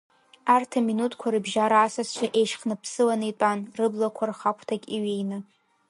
Арҭ аминуҭқәа рыбжьара асасцәа еишьхныԥсыланы итәан, рыблақәа рхагәҭахь иҩеины.